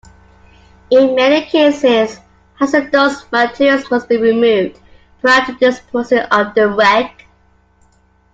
In many cases, hazardous materials must be removed prior to disposing of the wreck.